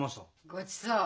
ごちそう？